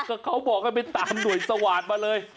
ก็เขาบอกให้ไปตามหน่วยสวาสตร์มาเลย